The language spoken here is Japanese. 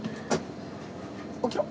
起きろ！